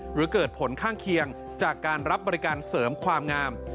หรือเกิดผลข้างเคียงจากการรับบริการเสริมความงาม